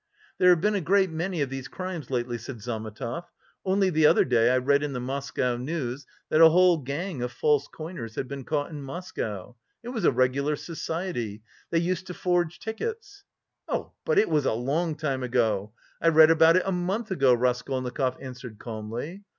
"There have been a great many of these crimes lately," said Zametov. "Only the other day I read in the Moscow News that a whole gang of false coiners had been caught in Moscow. It was a regular society. They used to forge tickets!" "Oh, but it was a long time ago! I read about it a month ago," Raskolnikov answered calmly.